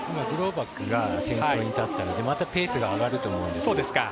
グローバクが先頭に立ったのでまたペースが上がると思います。